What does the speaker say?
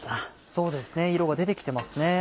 そうですね色が出て来てますね。